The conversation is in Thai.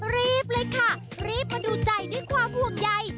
รีบเลยค่ะรีบมาดูใจด้วยความห่วงใย